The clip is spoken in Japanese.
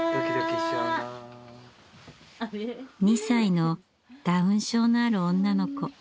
２歳のダウン症のある女の子。